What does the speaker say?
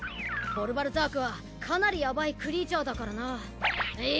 ボルバルザークはかなりヤバいクリーチャーだからな。